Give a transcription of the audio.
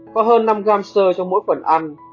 có hơn năm gram sơ trong mỗi phần ăn